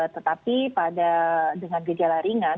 tetapi pada dengan gejala ringan